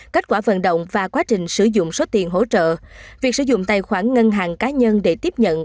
kết quả vận động và quá trình sử dụng số tiền hỗ trợ việc sử dụng tài khoản ngân hàng cá nhân để tiếp nhận